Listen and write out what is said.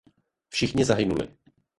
Všichni zahynuli.